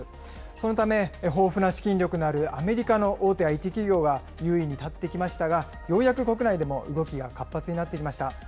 そのため豊富な資金力のあるアメリカの大手ＩＴ企業が優位に立ってきましたが、ようやく国内でも動きが活発になってきました。